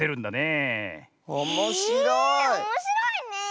えおもしろいねえ！